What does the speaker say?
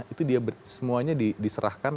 itu dia semuanya diserahkan